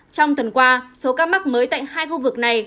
trong tuần qua số ca mắc mới tại hai khu vực này